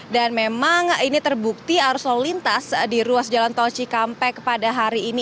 dan memang ini terbukti arus lalu lintas di ruas jalan tolci kampek pada hari ini